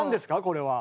これは。